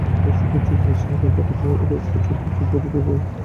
অথচ খোদ যুক্তরাষ্ট্রেই এখন প্রকাশ্যে রুশ প্রেসিডেন্ট ভ্লাদিমির পুতিনের গুণগান চলে।